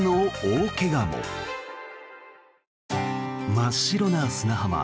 真っ白な砂浜。